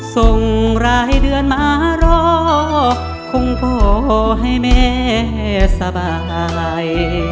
ส่งรายเดือนมาร่วงคงโป้งให้แม่สบาย